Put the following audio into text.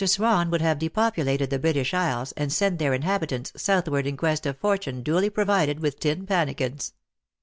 Swan would have depopulated the British Isles, and sent their in habitants southward in quest of fortune, duly provided with tin pannikins.